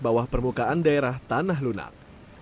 bawah permukaan daerah tanah lunak